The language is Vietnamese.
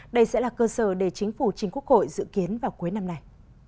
đây sẽ là cơ sở để chính phủ chính quốc hội dự kiến vào cuối năm này